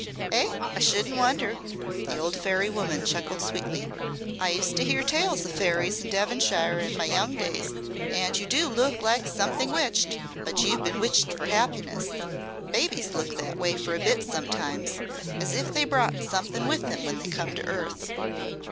"Eh! I shouldn't wonder," the old fairy woman chuckled sweetly. "I used to hear tales of fairies in Devonshire in my young days. And you do look like something witched but you've been witched for happiness. Babies look that way for a bit sometimes as if they brought something with them when they come to earth."